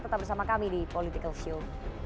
tetap bersama kami di political show